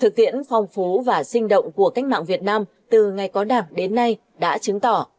thực tiễn phong phú và sinh động của cách mạng việt nam từ ngày có đảng đến nay đã chứng tỏ